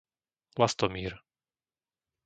Lastomír